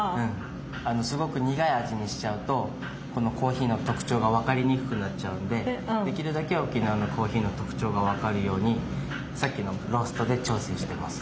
すごく苦い味にしちゃうとこのコーヒーの特徴が分かりにくくなっちゃうんでできるだけ沖縄のコーヒーの特徴が分かるようにさっきのローストで調整してます。